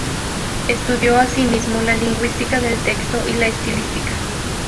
Estudió asimismo la lingüística del texto y la estilística.